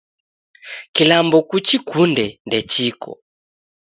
Kilambo kuchikunde ndechiko